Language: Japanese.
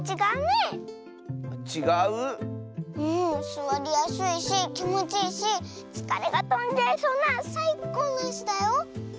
すわりやすいしきもちいいしつかれがとんじゃいそうなさいこうのいすだよ。